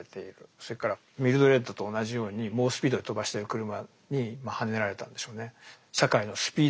それからミルドレッドと同じように猛スピードで飛ばしてる車にはねられたんでしょうね。